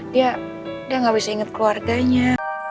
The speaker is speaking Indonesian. dia gak bisa inget keluarganya